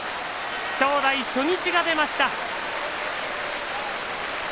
正代、初日が出ました。